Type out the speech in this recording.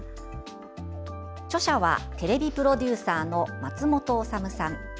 著者はテレビプロデューサーの松本修さん。